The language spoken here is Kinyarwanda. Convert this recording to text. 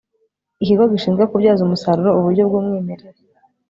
ikigo gishinzwe kubyaza umusaruro uburyo bw'umwimerere